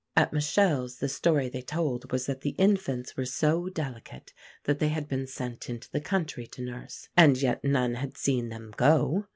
At Michele's the story they told was that the infants were so delicate that they had been sent into the country to nurse; and yet none had seen them go.